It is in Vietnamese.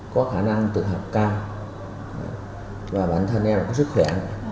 có khả năng tự học cao và bản thân em có sức khỏe